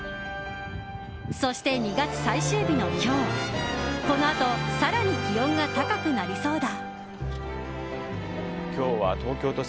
そして、２月最終日の今日このあと更に気温が高くなりそうだ。